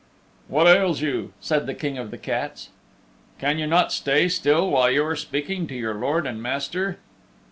"What ails you?" said the King of the Cats. "Can you not stay still while you are speaking to your lord and master?"